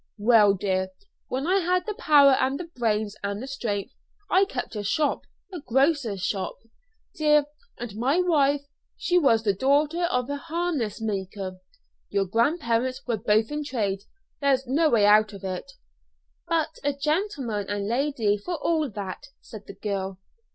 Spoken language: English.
"Well, dear, when I had the power and the brains and the strength, I kept a shop a grocer's shop, dear; and my wife, she was the daughter of a harness maker. Your grandparents were both in trade; there's no way out of it." "But a gentleman and lady for all that," said the girl.